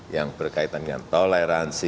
yang berkaitan dengan toleransi